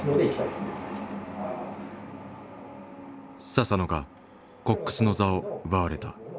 佐々野がコックスの座を奪われた。